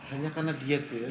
hanya karena diet ya